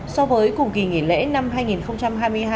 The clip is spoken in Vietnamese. so với cùng kỳ nghỉ lễ năm hai nghìn hai mươi hai